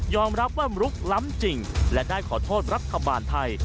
รับว่าลุกล้ำจริงและได้ขอโทษรัฐบาลไทย